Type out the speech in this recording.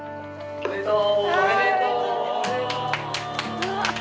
おめでとう。